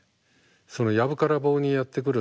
その藪から棒にやって来る